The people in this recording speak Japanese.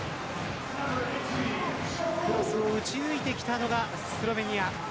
クロスを打ち抜いてきたのがスロベニア。